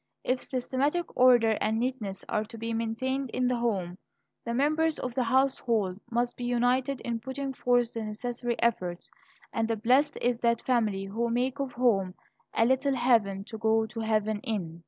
If systematic order and neatness are to be maintained in the home, the members of the household must be united in putting forth the necessary efforts. And blessed is that family who make of home "a little heaven to go to heaven in."